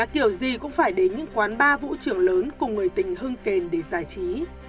điều gì cũng phải đến những quán ba vũ trưởng lớn cùng người tình hưng kền để giải trí